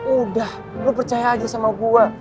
udah gue percaya aja sama gue